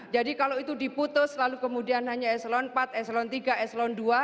jadi kalau itu diputus lalu kemudian hanya eselon empat eselon tiga eselon dua